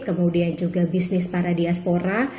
kemudian juga bisnis para diaspora